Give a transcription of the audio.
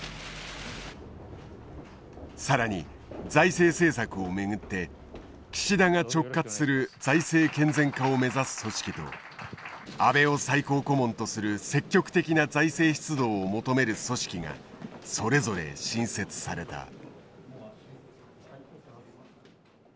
更に財政政策を巡って岸田が直轄する財政健全化を目指す組織と安倍を最高顧問とする積極的な財政出動を求める組織がそれぞれ新設された。